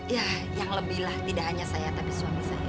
ya yang lebih lah tidak hanya saya tapi suami saya juga